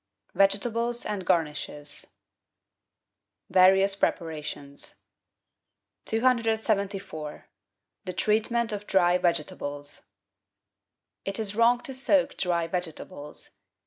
Vegetables and Garnishes Various Preparations. 274— THE TREATMENT OF DRY VEGETABLES It is wrong to soak dry vegetables.